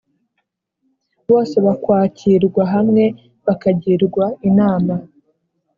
bose bakwakirwa hamwe bakagirwa inama.